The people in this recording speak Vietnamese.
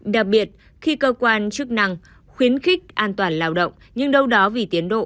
đặc biệt khi cơ quan chức năng khuyến khích an toàn lao động nhưng đâu đó vì tiến độ